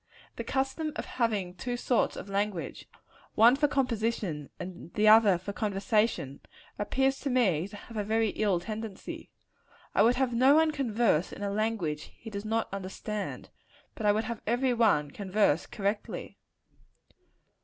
The custom of having two sorts of language one for composition and the other for conversation appears to me to have a very ill tendency. I would have no one converse in a language he does not understand; but I would have every one converse correctly.